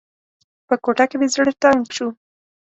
په کوټه کې مې زړه تنګ شو.